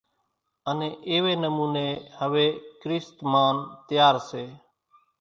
انين ايوي نموني ھوي ڪريست مانَ تيار سي۔